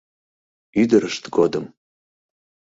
Ӱдырышт годым.